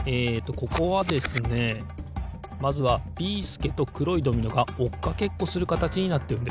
ここはですねまずはビーすけとくろいドミノがおっかけっこするかたちになってるんですよ。